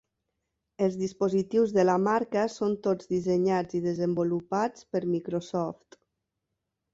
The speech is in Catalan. Els dispositius de la marca són tots dissenyats i desenvolupats per Microsoft.